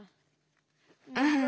うん。